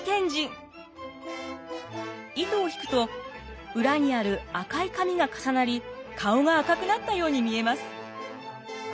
糸を引くと裏にある赤い紙が重なり顔が赤くなったように見えます。